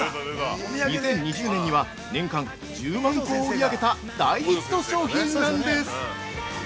２０２０年には、年間１０万個を売り上げた大ヒット商品なんです。